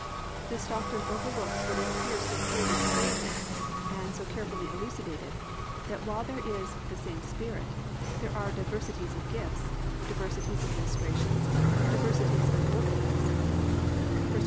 This doctrine overlooks what is here so clearly stated and so carefully elucidated, that while there is +"the same Spirit" "there are diversities of gifts" "diversities of ministrations," "diversities of workings" (1 Cor.